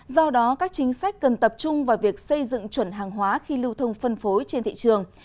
do đó các chính sách cần tập trung vào việc xây dựng chuẩn hàng hóa khi lưu thông phân phối trên thị trường